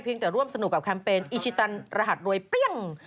แต่ร่วมสนุกกับแคมเปญอิชิตันรหัสรวยเปรี้ยง